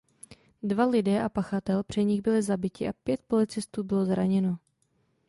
Dva lidé a pachatel při nich byli zabiti a pět policistů bylo zraněno.